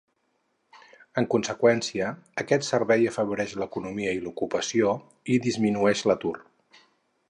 En conseqüència, aquest servei afavoreix l'economia i l'ocupació, i disminueix l'atur.